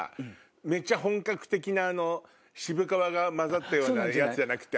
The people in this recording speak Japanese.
めっちゃ本格的な渋皮が混ざったようなやつじゃなくて。